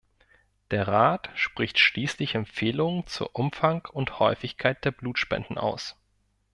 Der Rat spricht schließlich Empfehlungen zu Umfang und Häufigkeit der Blutspenden aus.